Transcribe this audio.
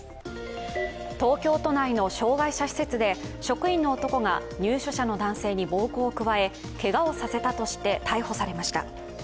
東京都内の障害者施設で職員の男が入所者の男性に暴行を加え、けがをさせたとして逮捕されました。